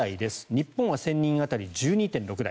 日本は１０００人当たり１２．６台。